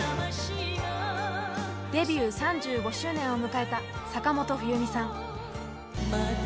デビュー３５周年を迎えた坂本冬美さん。